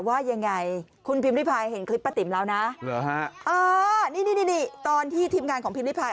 ว่ายังไงคุณพิมพิพายเห็นคลิปป้าติ๋มแล้วนะนี่นี่ตอนที่ทีมงานของพิมพิพาย